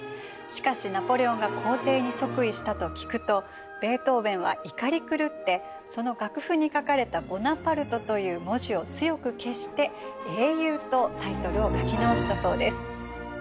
しかしナポレオンが皇帝に即位したと聞くとベートーベンは怒り狂ってその楽譜に書かれた「ボナパルト」という文字を強く消して「英雄」とタイトルを書き直したそうです。